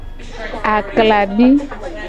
Aklabi.